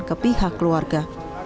ke pihak keluarga